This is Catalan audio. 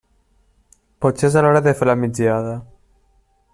Potser és hora de fer la migdiada.